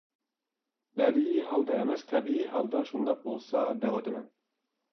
بەدىئىي ھالدا ئەمەس تەبىئىي ھالدا شۇنداق بولسا دەۋاتىمەن.